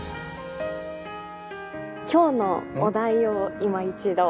今日のお題をいま一度。